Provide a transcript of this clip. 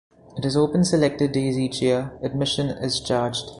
It is open selected days each year; admission is charged.